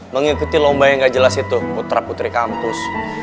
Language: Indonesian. mengikuti lomba yang gak jelas itu putra putri kampus